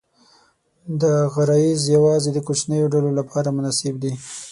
دا غرایز یواځې د کوچنیو ډلو لپاره مناسب دي.